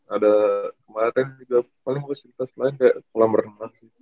ada kemarin juga paling bagus fasilitas lain kayak pulang renang